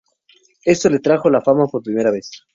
Esto le trajo a la fama por primera vez.